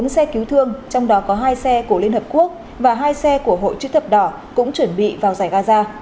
bốn xe cứu thương trong đó có hai xe của liên hợp quốc và hai xe của hội chức thập đỏ cũng chuẩn bị vào giải gaza